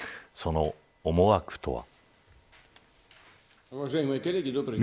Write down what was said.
その思惑とは。